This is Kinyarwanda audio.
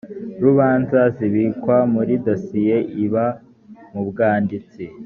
rubanza zibikwa muri dosiye iba mu bwanditsi